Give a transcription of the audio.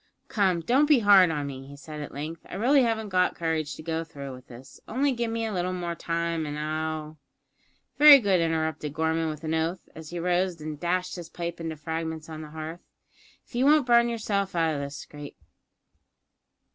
"Come, don't be hard on me," he said at length; "I really haven't got courage to go through with this. Only give me a little more time, and I'll " "Very good," interrupted Gorman, with an oath, as he rose and dashed his pipe into fragments on the hearth; "if you won't burn yourself out o' this scrape."